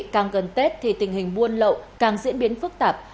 càng gần tết thì tình hình buôn lậu càng diễn biến phức tạp